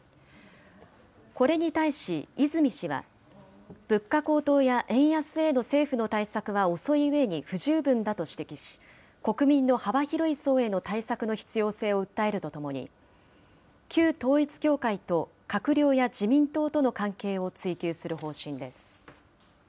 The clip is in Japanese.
これに対し、泉氏は、物価高騰や円安への政府の対策は遅いうえに不十分だと指摘し、国民の幅広い層への対策の必要性を訴えるとともに、旧統一教会と閣僚や自民党との関係を追及する方針です。